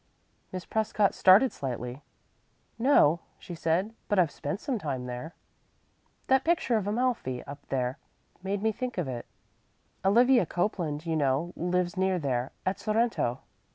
Miss Prescott started slightly. "No," she said; "but I've spent some time there." "That picture of Amalfi, up there, made me think of it. Olivia Copeland, you know, lives near there, at Sorrento."